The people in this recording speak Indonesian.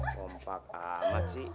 kompak amat sih